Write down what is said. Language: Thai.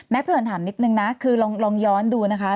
แม็กซ์พี่หวันถามนิดนึงนะคือลองย้อนดูนะคะ